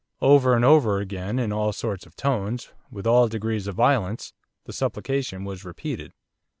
Over and over again, in all sorts of tones, with all degrees of violence, the supplication was repeated.